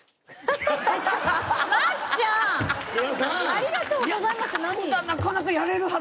「ありがとうございます」って何？